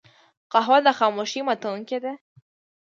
قهوه د خاموشۍ ماتونکی دی